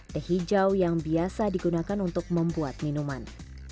teh hijau yang biasa digunakan untuk membuat minuman